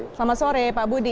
selamat sore pak budi